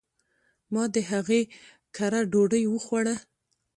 ما د هغي کره ډوډي وخوړه .